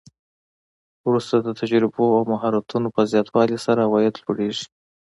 وروسته د تجربو او مهارتونو په زیاتوالي سره عواید لوړیږي